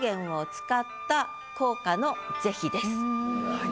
はい。